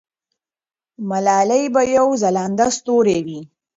ملالۍ به یو ځلانده ستوری وي.